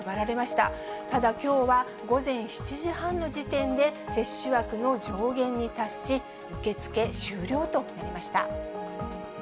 ただ、きょうは午前７時半の時点で、接種枠の上限に達し、受け付け終了となりました。